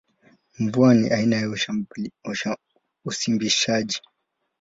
Mvua ni aina ya usimbishaji.